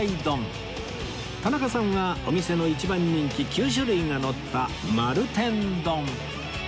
田中さんはお店の一番人気９種類がのった丸天丼